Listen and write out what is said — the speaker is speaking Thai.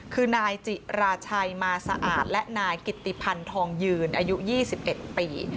คือนายจิราชัยมาสะอาดและนายกิตติพันธองยืนอายุยี่สิบเอ็ดปี